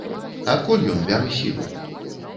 Адкуль ён бярэ сілы?